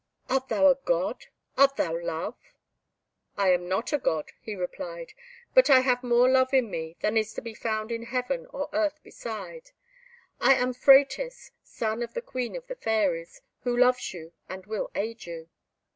"Art thou a God? Art thou Love?" "I am not a God," he replied, "but I have more love in me than is to be found in heaven or earth beside. I am Phratis, son of the Queen of the Fairies, who loves you and will aid you."